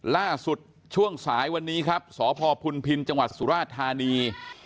ล่าสุดช่วงสายวันนี้ครับสพพุนพินจังหวัดสุราชธานี